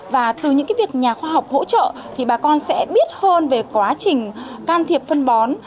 và từ những việc nhà khoa học hỗ trợ thì bà con sẽ biết hơn về quá trình can thiệp phân bó